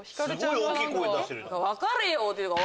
「分かれよ」って言うから。